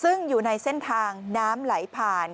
ซึ่งอยู่ในเส้นทางน้ำไหลผ่าน